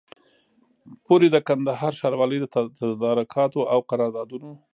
پوري د کندهار ښاروالۍ د تدارکاتو او قراردادونو